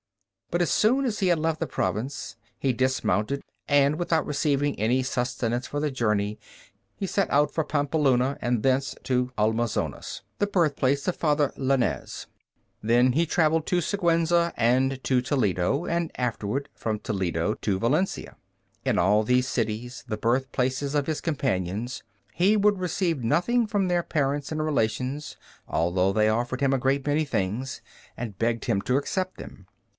But as soon as he had left the province, he dismounted and without receiving any sustenance for the journey he set out for Pampeluna and thence to Almazonus, the birthplace of Father Laynez. Then he traveled on to Siguensa and to Toledo, and afterward from Toledo to Valencia. In all these cities, the birthplaces of his companions, he would receive nothing from their parents and relations, although they offered him a great many things, and begged him to accept them.